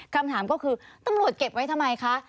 คำถามก็คือตำรวจเก็บไว้ทำไมคะ